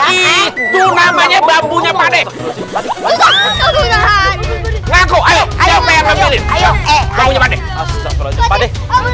itu namanya bambunya pade